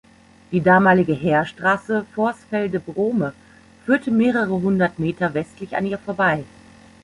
Die damalige Heerstraße Vorsfelde–Brome führte mehrere hundert Meter westlich an ihr vorbei.